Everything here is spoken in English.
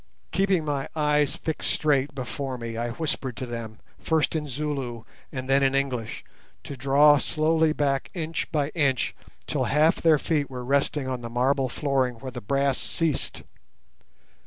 Keeping my eyes fixed straight before me, I whispered to them, first in Zulu and then in English, to draw slowly back inch by inch till half their feet were resting on the marble flooring where the brass ceased.